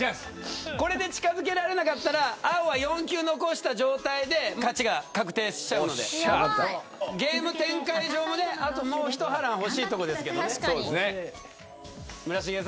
これで近づけられなかったら青は４球残した状態で勝ちが確定しちゃうのでゲーム展開上はあともうひと波乱欲しいところです。